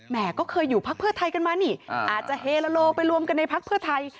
ก็เคยอยู่พักเพื่อไทยกันมานี่อาจจะเฮโลไปรวมกันในพักเพื่อไทย